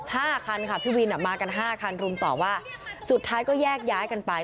ห้าคันค่ะพี่วินอ่ะมากันห้าคันรุมต่อว่าสุดท้ายก็แยกย้ายกันไป